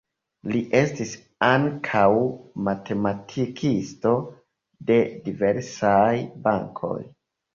Li estis ankaŭ matematikisto de diversaj bankoj.